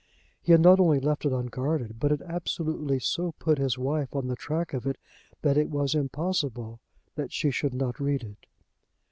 He had not only left it unguarded, but had absolutely so put his wife on the track of it that it was impossible that she should not read it.